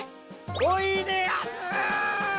おいでやす！